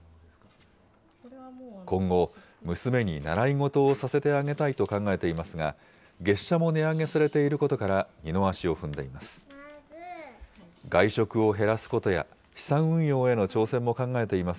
今後、娘に習い事をさせてあげたいと考えていますが、月謝も値上げされていることから、二の足を踏んでいます。